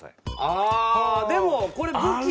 ああでもこれ武器。